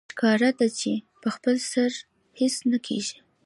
ښکاره ده چې په خپل سر هېڅ نه کېږي